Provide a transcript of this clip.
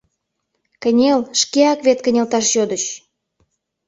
— Кынел, шкеак вет кынелташ йодыч.